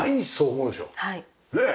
ねえ。